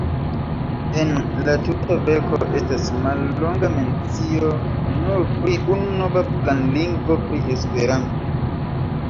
En la tuta verko estas mallonga mencio nur pri unu nova planlingvo, pri esperanto.